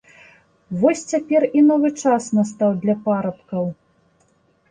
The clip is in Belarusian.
Вось цяпер і новы час настаў для парабкаў!